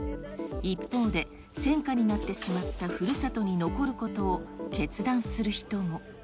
一方で、戦火になってしまったふるさとに残ることを決断する人も。